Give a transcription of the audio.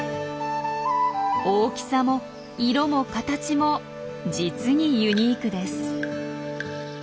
大きさも色も形も実にユニークです。